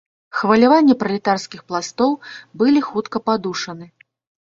Хваляванні пралетарскіх пластоў былі хутка падушаны.